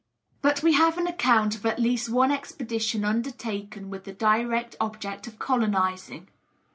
But we have an account of at least one expedition undertaken with the direct object of colonising.